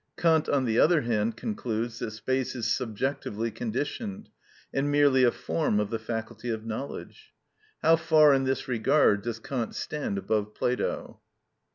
Kant, on the other hand, concludes that space is subjectively conditioned, and merely a form of the faculty of knowledge. How far, in this regard, does Kant stand above Plato!